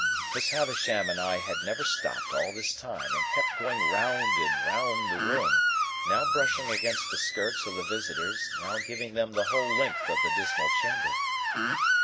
Miss Havisham and I had never stopped all this time, but kept going round and round the room; now brushing against the skirts of the visitors, now giving them the whole length of the dismal chamber.